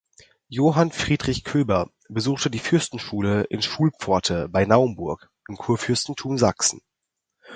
Johann Friedrich Köber besuchte die Fürstenschule in Schulpforte bei Naumburg im Kurfürstentum Sachsen.